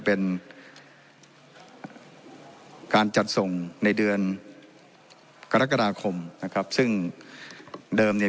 เป็นการจัดส่งในเดือนกรกฎาคมนะครับซึ่งเดิมเนี่ย